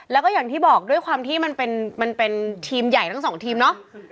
แล้วก็อย่างที่บอกด้วยความที่มันเป็นทีมใหญ่ทั้งสองทีมเนาะ